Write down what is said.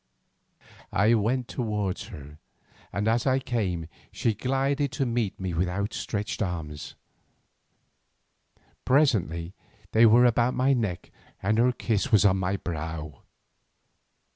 I went towards her, and as I came she glided to meet me with outstretched arms. Presently they were about my neck and her kiss was on my brow.